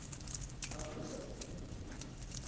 abamusasira